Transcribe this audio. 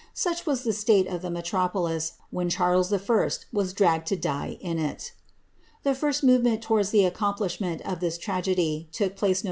Such was the state of the metropolis, wlien Charles I. was dragged to die in it. Tlie first movement towards the accomplishment of this tmgedy took place Nov.